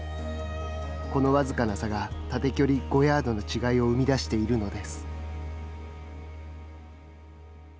この僅かな差が縦距離５ヤードの違いを生み出しているのです。